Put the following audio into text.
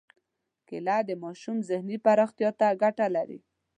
کېله د ماشوم ذهني پراختیا ته ګټه لري.